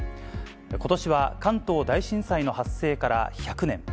ことしは関東大震災の発生から１００年。